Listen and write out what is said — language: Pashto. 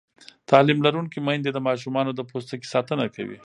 تعلیم لرونکې میندې د ماشومانو د پوستکي ساتنه کوي.